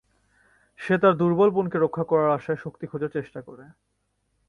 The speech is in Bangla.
সে তার দূর্বল বোনকে রক্ষা করার আশায় শক্তি খোঁজার চেষ্টা করে।